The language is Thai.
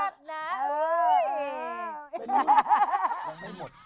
เป็นรุ่นแล้วไม่หมด